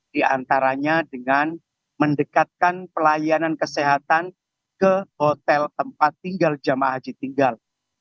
di antaranya dengan mendekatkan pelayanan kesehatan ke hotel tempat tinggal jemaah haji tinggal